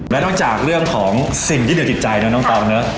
และต่างจากเรื่องของสิ่งที่เดี๋ยวจิตใจเนอะน้องตอบเนอะ